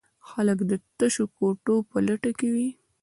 خلک د تشو کوټو په لټه کې وي.